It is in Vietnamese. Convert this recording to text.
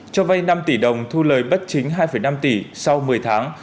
cho vay năm tỷ đồng thu lời bất chính hai năm tỷ sau một mươi tháng